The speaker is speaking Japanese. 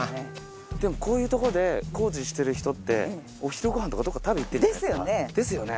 でもこういうところで工事してる人ってお昼ご飯とかどっか食べにいってんじゃないかな。ですよね！